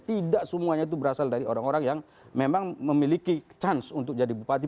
tidak semuanya itu berasal dari orang orang yang memang memiliki chance untuk jadi bupati